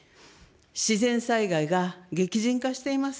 自然災害が激甚化しています。